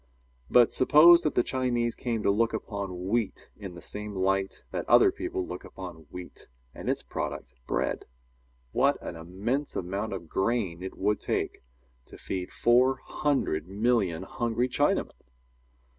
But suppose that the Chinese came to look upon wheat in the same light that other people look upon wheat and its product, bread? What an immense amount of grain it would take to feed four hundred million hungry Chinamen!